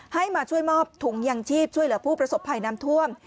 ให้มาช่วยมอบถุงยังชีพช่วยเหลือผู้ประสบภัยน้ำท่วม